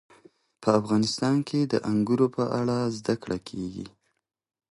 په افغانستان کې د انګورو په اړه زده کړه کېږي.